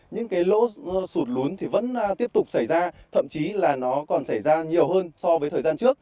những cái lỗ sụt lún thì vẫn tiếp tục xảy ra thậm chí là nó còn xảy ra nhiều hơn so với thời gian trước